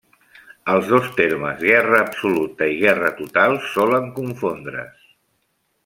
Els dos termes, guerra absoluta i guerra total, solen confondre's.